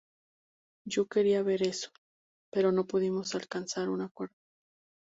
Yo quería ver eso, pero no pudimos alcanzar un acuerdo.